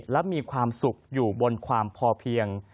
และมีความสุขอยู่บนความพอเพียง